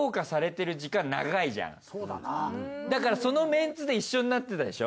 だからそのメンツで一緒になってたでしょ